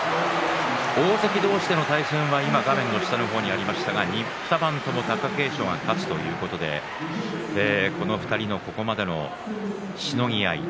大関同士での対戦は２番とも貴景勝が勝つということでこの２人のここまでのしのぎ合い。